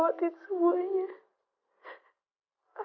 aku ingin menemani anda